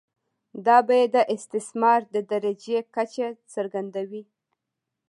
دا بیه د استثمار د درجې کچه څرګندوي